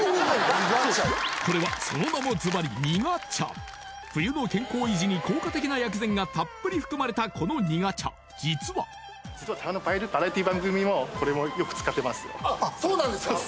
これはその名もズバリ苦茶冬の健康維持に効果的な薬膳がたっぷり含まれたこの苦茶実はあっそうなんですか？